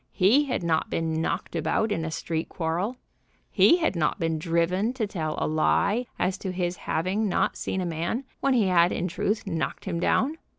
He had not been knocked about in a street quarrel. He had not been driven to tell a lie as to his having not seen a man when he had, in truth, knocked him down.